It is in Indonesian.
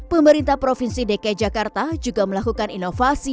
pemerintah provinsi dki jakarta juga melakukan inovasi